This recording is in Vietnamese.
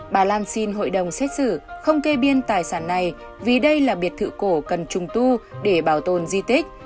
bà lan xin hội đồng xét xử không kê biên tài sản này vì đây là biệt thự cổ cần trùng tu để bảo tồn di tích